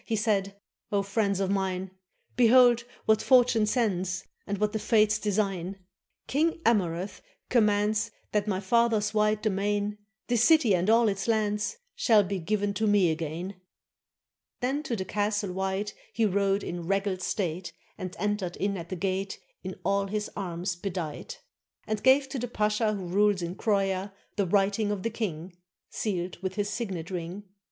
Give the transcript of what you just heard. He said: "O friends of mine. Behold what fortune sends, And what the fates design! 477 TURKEY King Amurath commands That my father's wide domain This city and all its lands, Shall be given to me again." Then to the Castle White He rode in regal state, And entered in at the gate In all his arms bedight, And gave to the pasha Who rules in Croia The writing of the king, Sealed with his signet ring.